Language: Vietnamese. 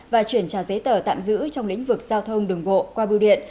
và chuyển trả giấy tờ tạm giữ trong lĩnh vực giao thông đường bộ qua bưu điện